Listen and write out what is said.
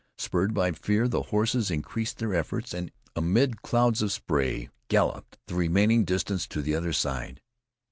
Spurred by fear, the horses increased their efforts, and amid clouds of spray, galloped the remaining distance to the other side.